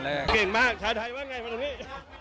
เก่งมากชาแทยว่าอะไรวันนี้